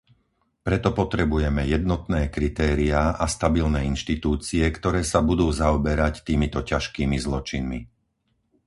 Preto potrebujeme jednotné kritériá a stabilné inštitúcie, ktoré sa budú zaoberať týmito ťažkými zločinmi.